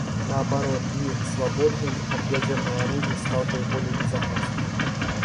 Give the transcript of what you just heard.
Наоборот, мир, свободный от ядерного оружия, стал бы более безопасным.